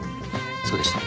そうでした。